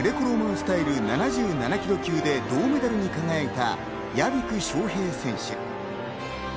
スタイル７７ｋｇ級で銅メダルに輝いた屋比久翔平選手。